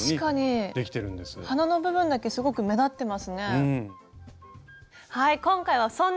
花の部分だけすごく目立ってますね。